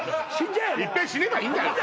もういっぺん死ねばいいんだよ